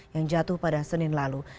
yang jatuh pada senin lalu